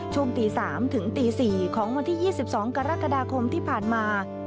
ช่วงตี๓ถึงตี๔ของวันที่๒๒กรกฎาคมที่ผ่านมา